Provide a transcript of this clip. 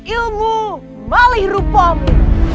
ilmu malih rupamu